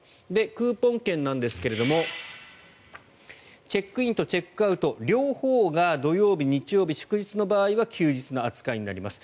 クーポン券なんですがチェックインとチェックアウト両方が土曜日、日曜日、祝日の場合は休日の扱いになります。